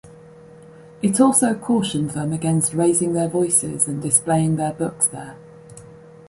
It also cautioned them against raising their voices and displaying their books there.